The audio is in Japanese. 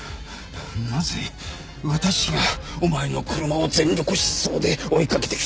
なぜ私がお前の車を全力疾走で追いかけてきたのかわかるか？